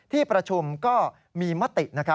ที่ประชุมก็มีมติ